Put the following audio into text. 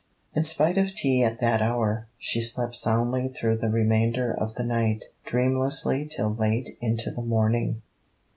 In spite of tea at that hour, she slept soundly through the remainder of the night, dreamlessly till late into the morning.